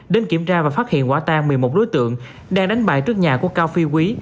đến kiểm tra và phát hiện quả tang một mươi một đối tượng đang đánh bài trước nhà của cao phi quý